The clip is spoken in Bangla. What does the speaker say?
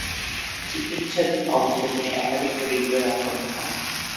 চিকিৎসাধীন অবস্থায় তিনি একাধিকবার হৃদরোগে আক্রান্ত হন।